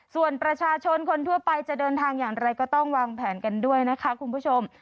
ส่วนประชาชนคนทั่วไปจะเดินทางอย่างไรก็ต้องวางแผนกันด้วยนะคะคุณผู้ชม